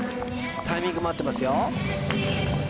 タイミングも合ってますよ